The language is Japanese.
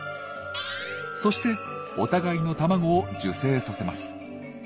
そしてお互いの卵を受精させます。